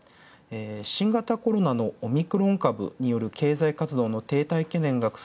新型コロナのオミクロン株の経済活動の停滞。